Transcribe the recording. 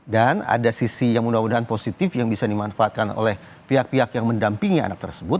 dan ada sisi yang mudah mudahan positif yang bisa dimanfaatkan oleh pihak pihak yang mendampingi anak tersebut